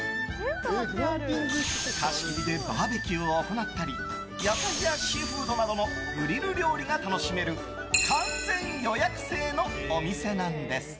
貸し切りでバーベキューを行ったり野菜やシーフードなどのグリル料理が楽しめる完全予約制のお店なんです。